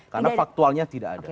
karena faktualnya tidak ada